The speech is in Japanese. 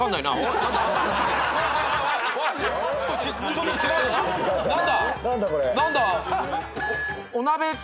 何だ？